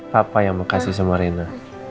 papa yang makasih sama rena